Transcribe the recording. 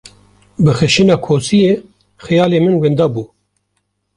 Bi xişîna kosiyê, xiyalê min winda bû.